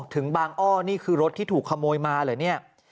ถึงบางอ้อนี่คือรถที่ถูกขโมยมาเหรอเนี่ย